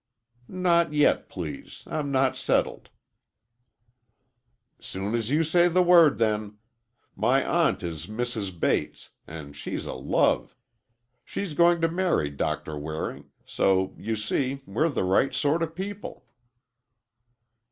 "Not yet, please. I'm not settled." "Soon's you say the word, then. My aunt is Mrs. Bates, and she's a love. She's going to marry Doctor Waring—so you see we're the right sort of people."